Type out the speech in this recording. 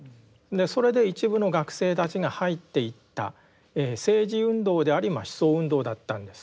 それで一部の学生たちが入っていった政治運動であり思想運動だったんです。